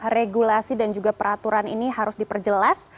regulasi dan juga peraturan ini harus diperjelas